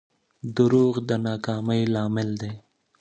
دروغ د ناکامۍ لامل دي.